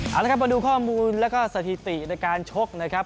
เอาละครับมาดูข้อมูลแล้วก็สถิติในการชกนะครับ